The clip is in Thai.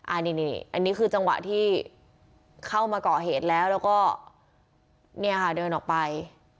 อันนี้อันนี้คือจังหวะที่เข้ามาก่อเหตุแล้วแล้วก็เนี่ยค่ะเดินออกไป